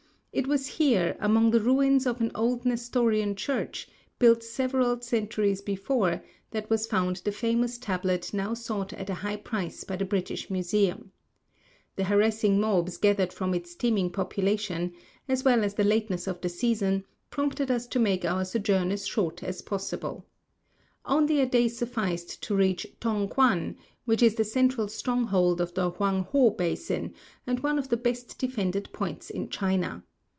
It was here, among the ruins of an old Nestorian church, built several centuries before, that was found the famous tablet now sought at a high price by the British Museum. The harassing mobs gathered from its teeming population, as well VI 187 OPIUM SMOKERS IN A STREET OF TAI YUEN FOO. as the lateness of the season, prompted us to make our sojourn as short as possible. Only a day sufficed to reach Tong quan, which is the central stronghold of the Hoang ho basin, and one of the best defended points in China.